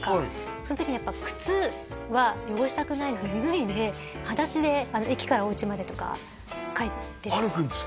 その時にやっぱ靴は汚したくないので脱いではだしで駅からお家までとか帰って歩くんですか？